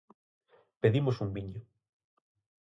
Pedimos un viño.